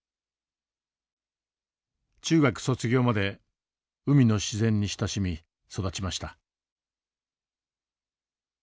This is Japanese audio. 中学卒業まで海の自然に親しみ育ちました。